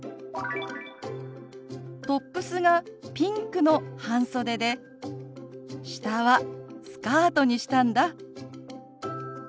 「トップスがピンクの半袖で下はスカートにしたんだ」。